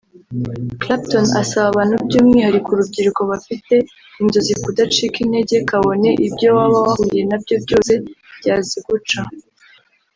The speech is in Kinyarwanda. Clapton asaba abantu by’umwihariko urubyiruko bafite inzozi kudacika intege kabone ibyo waba wahuye nabyo byose byaziguca